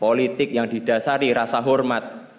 politik yang didasari rasa hormat